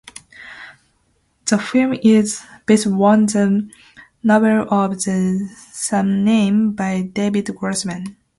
The film is based on the novel of the same name by David Grossman.